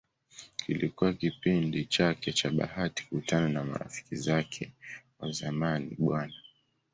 Kilikuwa kipindi chake cha bahati kukutana na marafiki zake wa zamani Bw.